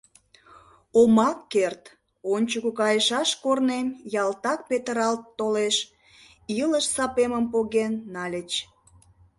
Омак керт, ончыко кайышаш корнем ялтак петыралт толеш, илыш сапемым поген нальыч...»